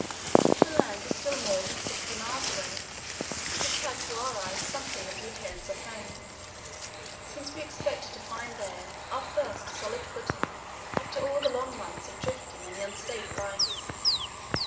The land was still more than sixty miles away, but it had to our eyes something of the appearance of home, since we expected to find there our first solid footing after all the long months of drifting on the unstable ice.